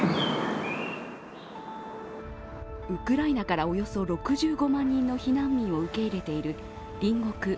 ウクライナからおよそ６５万人の避難民を受け入れている隣国